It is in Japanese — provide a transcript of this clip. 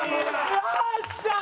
よっしゃー！